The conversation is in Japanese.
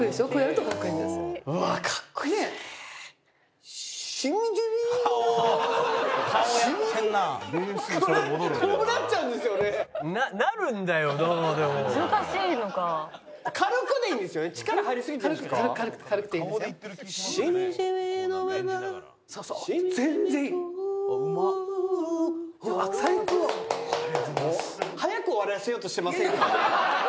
「とーぉぉぉぉ」早く終わらせようとしてませんか？